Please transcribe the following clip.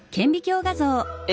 え？